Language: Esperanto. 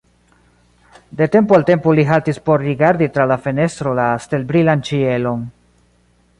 De tempo al tempo li haltis por rigardi tra la fenestro la stelbrilan ĉielon.